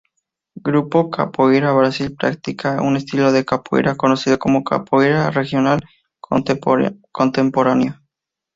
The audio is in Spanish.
Grupo Capoeira Brasil practica un estilo de capoeira conocido como Capoeira Regional Contemporánea.